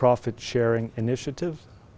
có những phương tiện phát triển